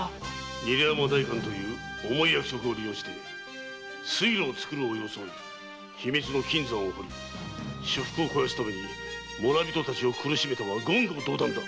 韮山代官という重い役職を利用して水路を作るを装い秘密の金山を掘り私腹を肥やすために村人たちを苦しめたは言語道断だ！